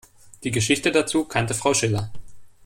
Die Geschichte dazu kannte Frau Schiller.